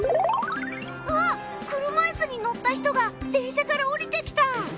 あっ車いすに乗った人が電車から降りてきた。